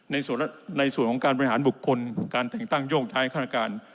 ในส่วนในส่วนของการประหารบุคคลการแต่งตั้งโยกทางการ